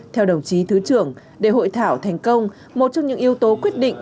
theo đồng chí thứ trưởng để hội thảo thành công một trong những yếu tố quyết định